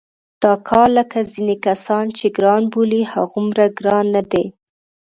دا کار لکه ځینې کسان چې ګران بولي هغومره ګران نه دی.